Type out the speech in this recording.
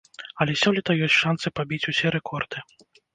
Але сёлета ёсць шанцы пабіць усе рэкорды.